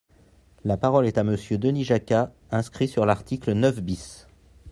La parole est à Monsieur Denis Jacquat, inscrit sur l’article neuf bis.